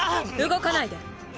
動かないで。